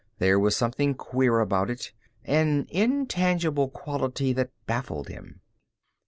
There was something queer about it, an intangible quality that baffled him.